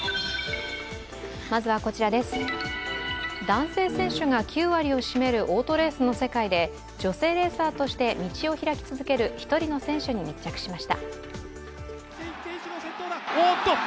男性選手が９割を占めるオートレースの世界で女性レーサーとして道を開き続ける一人の選手に密着しました。